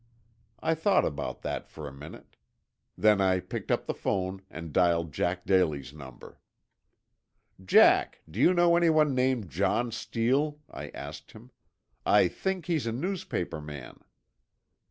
I thought about that for a minute. Then I picked up the phone and dialed Jack Daly's number. "Jack, do you know anyone named John Steele?" I asked him. "I think he's a newspaperman."